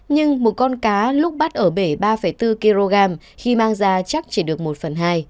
nhưng một con cá lúc bắt ở bể ba bốn kg khi mang ra chắc chỉ được một phần hai